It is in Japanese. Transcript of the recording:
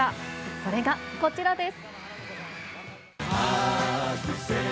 それがこちらです。